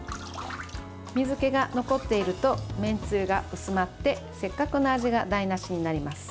水けが残っているとめんつゆが薄まってせっかくの味が台無しになります。